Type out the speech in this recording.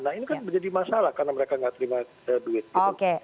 nah ini kan menjadi masalah karena mereka nggak terima duit gitu